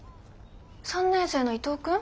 ３年生の伊藤君？